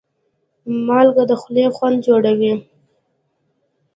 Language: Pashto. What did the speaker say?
مالګه د خولې خوند جوړوي.